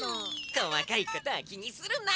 こまかいことはきにするな！